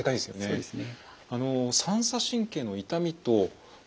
そうですね。